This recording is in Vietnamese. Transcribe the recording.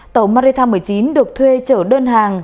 tàu maritam một mươi chín được thuê trở đơn hàng